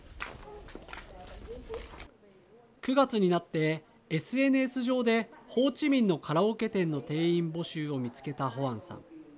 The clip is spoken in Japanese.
９月になってＳＮＳ上でホーチミンのカラオケ店の店員募集を見つけたホアンさん。